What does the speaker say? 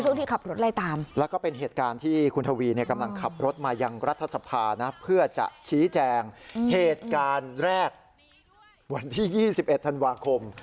ในช่วงที่ขับรถไรตาม